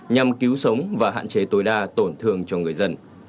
nhằm cứu sống và hạn chế tối đa tổn thương cho người dân